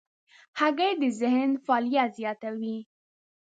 هګۍ د ذهن فعالیت زیاتوي.